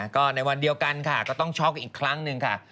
ก็ในวันเดียวกันค่ะก็ต้องช็อกอีกครั้งหนึ่งค่ะ